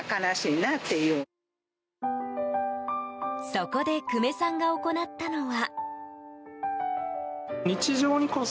そこで久米さんが行ったのは。